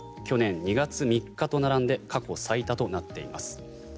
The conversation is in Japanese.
去年２月３日と並んで過去最多となっています。